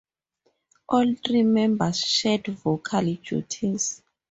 All three members shared vocal duties.